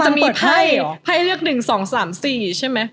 คือเปิดไพ่หรอไพ่เรียก๑๒๓๔ใช่มั้ย